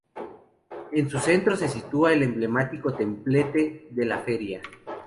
En su centro se sitúa el emblemático Templete de la Feria.